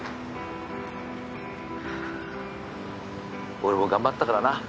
俺も頑張ったからな。